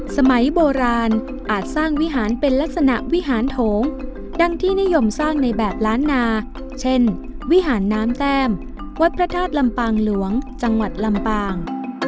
สมัยโบราณอาจสร้างวิหารเป็นลักษณะวิหารโถงดังที่นิยมสร้างในแบบล้านนาเช่นวิหารน้ำแต้มวัดพระธาตุลำปางหลวงจังหวัดลำปาง